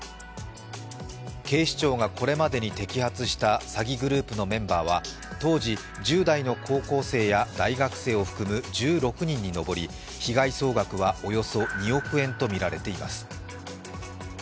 警視庁がこれまでに摘発した詐欺グループのメンバーは、当時１０代の高校生や大学生を含む１６人にのぼり、被害総額はおよそ２億円とみられています。